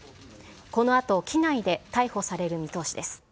このあと機内で逮捕される見通しです。